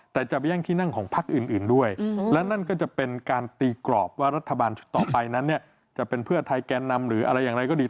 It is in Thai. แต่จะไปแย่งที่นั่งของพักอื่นด้วยและนั่นก็จะเป็นการตีกรอบว่ารัฐบาลชุดต่อไปนั้นเนี่ยจะเป็นเพื่อไทยแกนนำหรืออะไรอย่างไรก็ดี